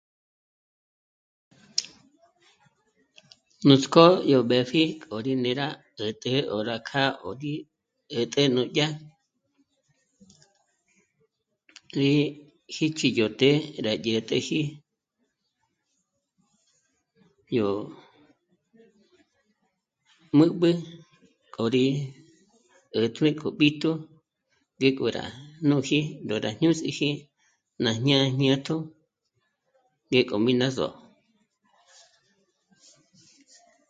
Nuts'k'ó yó b'ë́pji k'o rí né'e rá 'ä̀t'ä o rá kjâ'a o rí 'ä̀t'ä núdyá rí xíchi yó të́'ë rá dyä̀t'äji yó mä́b'ä k'o rí 'ä̀tjmé k'o b'íjtú ngék'o rá nùji ndó rá jñǔs'üji nà ñá'a jñátjo ngék'o mí ná só'o